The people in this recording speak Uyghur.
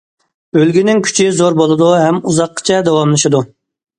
ئۈلگىنىڭ كۈچى زور بولىدۇ ھەم ئۇزاققىچە داۋاملىشىدۇ.